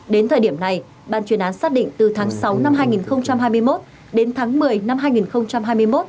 đến thời điểm này ban chuyên án xác định từ tháng sáu năm hai nghìn hai mươi một đến tháng một mươi năm hai nghìn hai mươi một